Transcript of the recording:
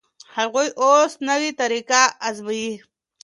هغوی اوس نوې طریقه ازمويي.